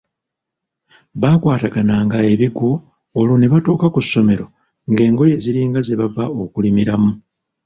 Baakwatagananga ebigwo olwo ne batuuka ku ssomero ng’engoye ziringa ze bava okulimiramu.